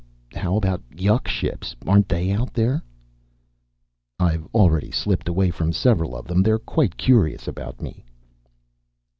"How about yuk ships? Aren't they out here?" "I've already slipped away from several of them. They're quite curious about me."